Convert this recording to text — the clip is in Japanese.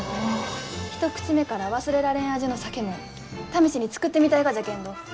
一口目から忘れられん味の酒も試しに造ってみたいがじゃけんど。